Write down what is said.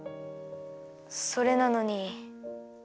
それなのに。